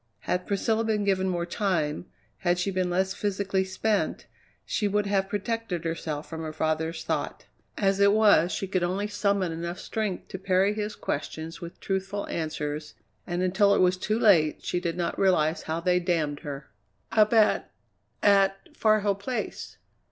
Had Priscilla been given more time, had she been less physically spent, she would have protected herself from her father's thought; as it was she could only summon enough strength to parry his questions with truthful answers, and until it was too late she did not realize how they damned her. "Up at at Far Hill Place."